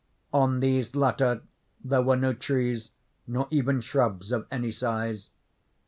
On these latter there were no trees, nor even shrubs of any size.